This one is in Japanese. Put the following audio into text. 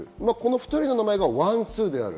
２人の名前がワンツーです。